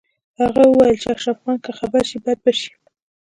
هغې وویل چې اشرف خان که خبر شي بد به شي